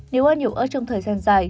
nếu ăn nhiều ớt trong thời gian dài